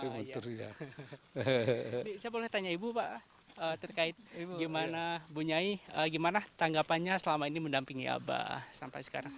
saya boleh tanya ibu pak terkait gimana bu nyai gimana tanggapannya selama ini mendampingi abah sampai sekarang